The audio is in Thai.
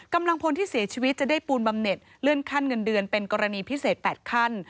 กำลังพลที่เสียชีวิตจะได้ปูนบำเน็ตเลื่อนขั้นเงินเดือนเป็นกรณีพิเศษ๘ขั้น